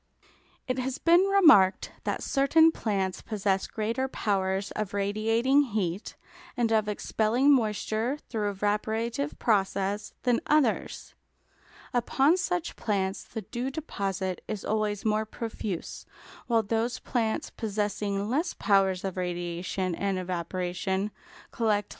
It has been remarked that certain plants possess greater powers of radiating heat and of expelling moisture through evaporative process than others; upon such plants the dew deposit is always more profuse, while those plants possessing less powers of radiation and evaporation, collect little dew.